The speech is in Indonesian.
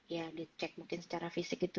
ya dicek mungkin secara fisik itu